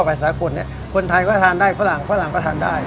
ไปสากลเนี่ยคนไทยก็ทานได้ฝรั่งฝรั่งก็ทานได้